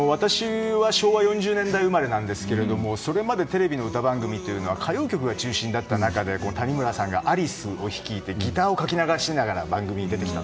昭和４０年代生まれなんですがそれまでテレビの歌番組は歌謡曲が中心だった中で谷村さんがアリスを率いてギターをかき鳴らしながら番組に出てきた。